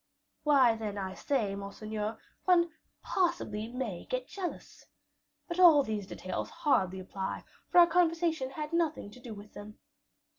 "Why, then, I say, monseigneur, one possibly may get jealous. But all these details hardly apply; for our conversation had nothing to do with them."